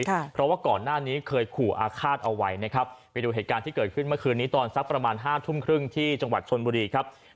เพราะว่าก่อนหน้านี้เคยขู่อาฆาตเอาไว้นะครับไปดูเหตุการณ์ที่เกิดขึ้นเมื่อคืนนี้ตอนสักประมาณห้าทุ่มครึ่งที่จังหวัดชนบุรีครับ